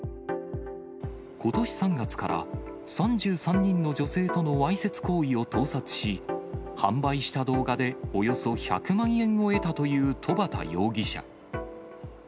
ことし３月から、３３人の女性とのわいせつ行為を盗撮し、販売した動画でおよそ１００万円を得たという戸畑容疑者。